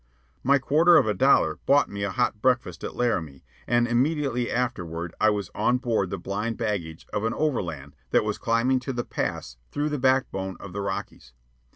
My quarter of a dollar bought me a hot breakfast at Laramie, and immediately afterward I was on board the blind baggage of an overland that was climbing to the pass through the backbone of the Rockies.